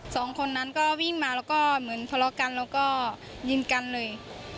สองคนนั้นก็วิ่งมาแล้วก็เหมือนทะเลาะกันแล้วก็ยิงกันเลย